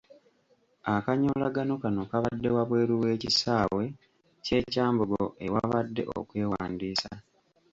Akanyolagano kano kabadde wabweru w'ekisaawe ky'e Kyambogo ewabadde okwewandiisa.